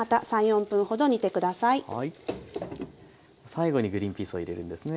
最後にグリンピースを入れるんですね。